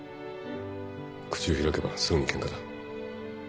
口を開けばすぐにケンカだ。